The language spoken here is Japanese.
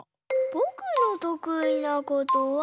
ぼくのとくいなことは。